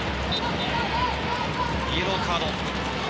イエローカード。